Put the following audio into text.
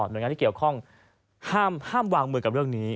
โดยงานที่เกี่ยวข้องห้ามวางมือกับเรื่องนี้